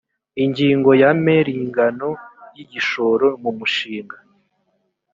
ingingo ya mer ingano y igishoro mumushinga